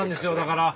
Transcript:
から